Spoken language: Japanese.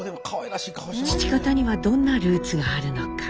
父方にはどんなルーツがあるのか。